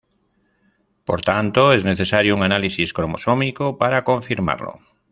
Por tanto, es necesario un análisis cromosómico para confirmarlo.